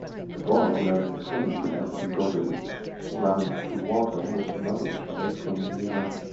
A boy wearing a swimming cap and goggles running through water with another child swimming behind him